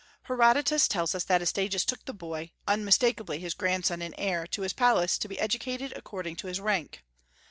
Herodotus tells us that Astyages took the boy, unmistakably his grandson and heir, to his palace to be educated according to his rank.